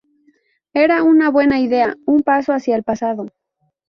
Era una buena idea, un paso hacia el pasado.